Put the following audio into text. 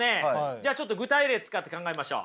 じゃあちょっと具体例使って考えましょう。